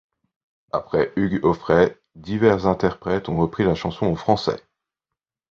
Après Hugues Aufray, divers interprètes ont repris la chanson en français.